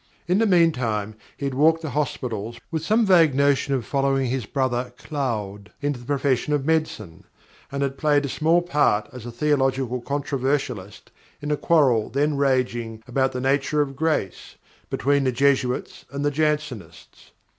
In the mean time he had walked the hospitals with some vague notion of following his brother Claude into the profession of medicine, and had played a small part as a theological controversialist in the quarrel then raging, about the nature of grace, between the Jesuits and the Jansenists.